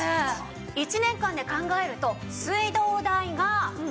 １年間で考えると水道代が。